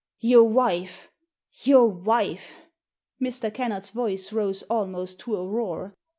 "Your wife! Your wife!" Mr. Kennard's voice rose almost to a roar.